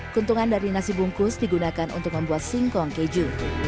keuntungan dari nasi bungkus digunakan untuk membuat singkong keju